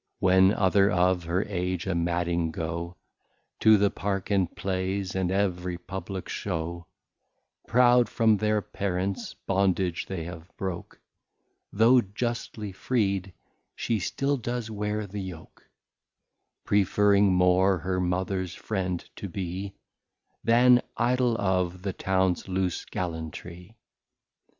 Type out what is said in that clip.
When other of her Age a madding go, To th' Park and Plays, and ev'ry publick Show, Proud from their Parents Bondage they have broke, Though justly freed, she still does wear the Yoke; Preferring more her Mothers Friend to be, Than Idol of the Towns Loose Gallantry.